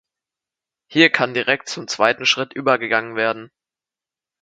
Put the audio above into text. Hier kann direkt zum zweiten Schritt übergegangen werden.